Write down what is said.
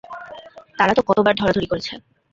তারা তো কতবার ধরাধরি করেছে।